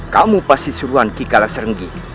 kamu pasti suruhan kikalas renggi